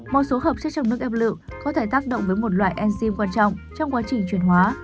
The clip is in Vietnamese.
một số hợp chất trong nước ép lựu có thể tác động với một loại enzim quan trọng trong quá trình truyền hóa